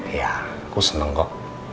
iya aku seneng kok